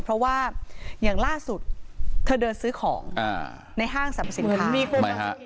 เพราะว่าอย่างล่าสุดเธอเดินซื้อของในห้างสรรพสินค้า